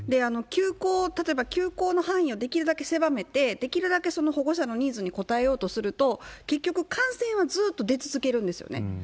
休校、例えば休校の範囲をできるだけ狭めて、できるだけその保護者のニーズに応えようとすると、結局感染はずーっと出続けるんですよね。